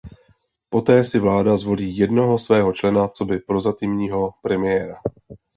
Poté si vláda zvolí jednoho svého člena coby prozatímního premiéra.